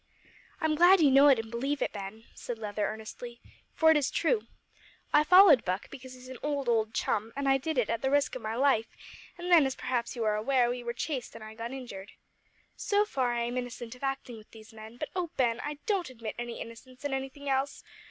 "I'm glad you know it and believe it, Ben," said Leather, earnestly, "for it is true. I followed Buck, because he's an old, old chum, and I did it at the risk of my life, an' then, as perhaps you are aware, we were chased and I got injured. So far I am innocent of acting with these men, but, O Ben, I don't admit my innocence in anything else!